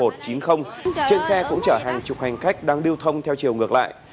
trên xe cũng chở hàng chục hành khách đang lưu thông theo chiều ngược lại